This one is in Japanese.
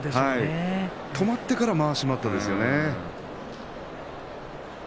止まってから、まわし待ったですよね。